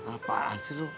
apaan sih loh